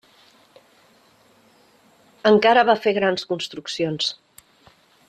Encara va fer grans construccions.